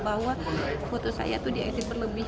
bahwa foto saya itu diedit berlebihan